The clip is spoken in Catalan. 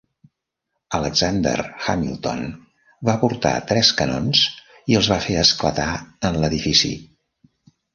Alexander Hamilton va portar tres canons i els va fer esclatar en l'edifici.